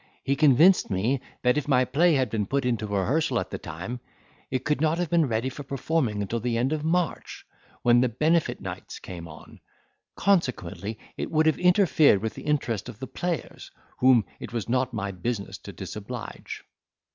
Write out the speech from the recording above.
He convinced me, that if my play had been put into rehearsal at the time, it could not have been ready for performing until the end of March, when the benefit nights came on; consequently, it would have interfered with the interest of the players, whom it was not my business to disoblige.